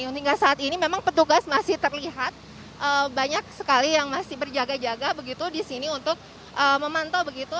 hingga saat ini memang petugas masih terlihat banyak sekali yang masih berjaga jaga begitu di sini untuk memantau begitu